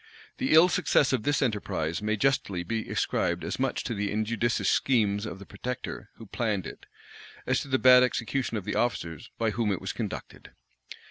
[] The ill success of this enterprise may justly be ascribed as much to the injudicious schemes of the protector who planned it, as to the bad execution of the officers by whom it was conducted.